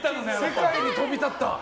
世界に飛び立った。